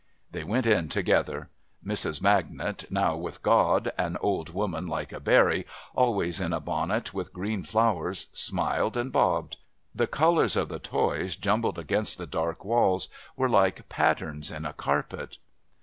They went in together. Mrs. Magnet, now with God, an old woman like a berry, always in a bonnet with green flowers, smiled and bobbed. The colours of the toys jumbled against the dark walls were like patterns in a carpet.